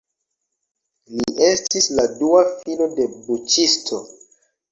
Li estis la dua filo de buĉisto.